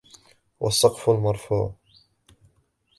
وَالسَّقْفِ الْمَرْفُوعِ